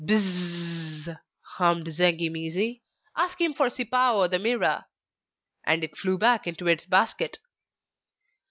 'Biz z z,' hummed Zengi mizi, 'ask him for Sipao the Mirror.' And it flew back into its basket.